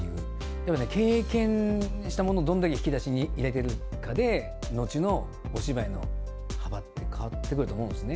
でもね、経験したものを、どんだけ引き出しに入れてるかで、後のお芝居の幅って変わってくると思うんですね。